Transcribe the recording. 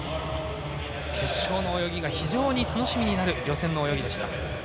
決勝の泳ぎが非常に楽しみになる予選の泳ぎでした。